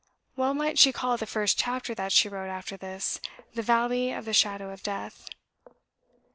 Well might she call the first chapter that she wrote after this, "The Valley of the Shadow of Death."